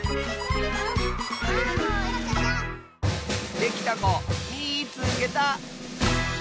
できたこみいつけた！